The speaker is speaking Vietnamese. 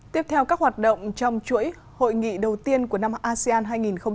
tiếp theo các hoạt động trong chuỗi hội nghị đầu tiên của năm asean hai nghìn hai mươi